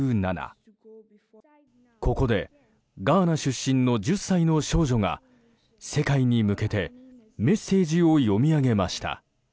ここで、ガーナ出身の１０歳の少女が世界に向けてメッセージを読み上げました。